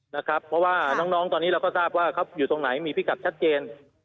เพราะว่าน้องตอนนี้เราก็ทราบว่าเขาอยู่ตรงไหนมีพิกัดชัดเจน